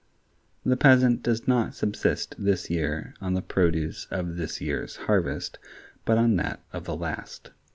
The peasant does not subsist this year on the produce of this year's harvest, but on that of the last.